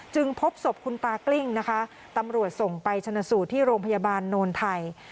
พบศพคุณตากลิ้งนะคะตำรวจส่งไปชนะสูตรที่โรงพยาบาลโนนไทย